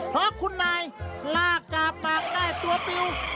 เพราะคุณนายลากกาบหมากได้ตัวปิว